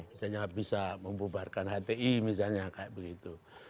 misalnya bisa membubarkan hti misalnya kayak begitu